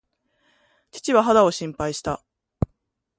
父は肌を心配した。